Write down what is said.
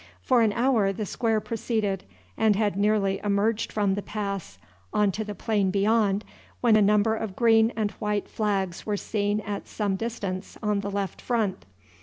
For an hour the square proceeded, and had nearly emerged from the pass on to the plain beyond, when a number of green and white flags were seen at some distance on the left front.